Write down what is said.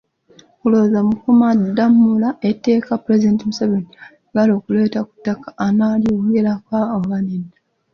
Olowooza Mukuumaddamula etteeka Pulezidenti Museveni ly'ayagala okuleeta ku ttaka anaalyogerako oba nedda?